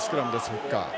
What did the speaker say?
フッカー。